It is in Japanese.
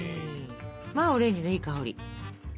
まあオレンジのいい香り。